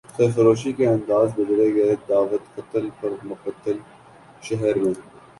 سرفروشی کے انداز بدلے گئے دعوت قتل پر مقتل شہر میں